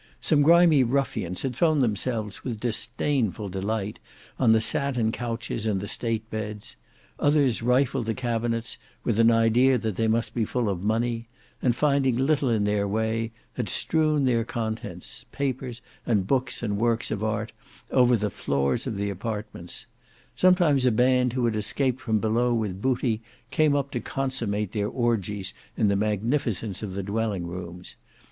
Some grimy ruffians had thrown themselves with disdainful delight on the satin couches and the state beds: others rifled the cabinets with an idea that they must be full of money, and finding little in their way, had strewn their contents—papers and books and works of art over the floors of the apartments; sometimes a band who had escaped from below with booty came up to consummate their orgies in the magnificence of the dwelling rooms.